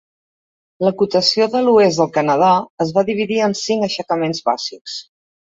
L'acotació de l'Oest del Canadà es va dividir en cinc aixecaments bàsics.